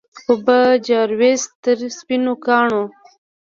اوبه جاروزي تر سپینو کاڼو